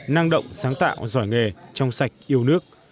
năng động sáng tạo giỏi nghề trong sạch yêu nước